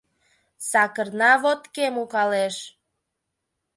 Сакырна водкем укалеш